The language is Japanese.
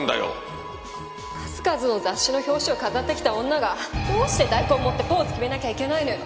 数々の雑誌の表紙を飾ってきた女がどうして大根持ってポーズ決めなきゃいけないのよ！